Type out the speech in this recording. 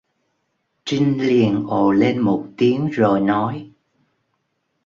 Trinh liên ồ lên một tiếng rồi nói